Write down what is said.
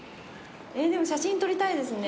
写真撮りたいですね